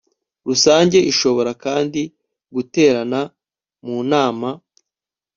rusange ishobora kandi guterana mu nama